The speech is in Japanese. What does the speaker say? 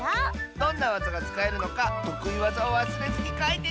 どんなわざがつかえるのかとくいわざをわすれずにかいてね！